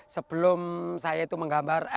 sebelum saya itu menggambar